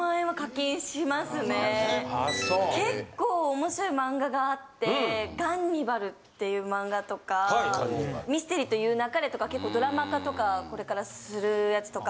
結構面白い漫画があって『ガンニバル』っていう漫画とか『ミステリと言う勿れ』とか結構ドラマ化とかこれからするやつとか。